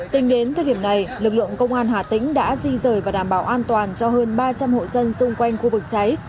tính đến thời điểm này lực lượng công an hà tĩnh đã di rời và đảm bảo an toàn cho hơn ba trăm linh hộ dân xung quanh khu vực cháy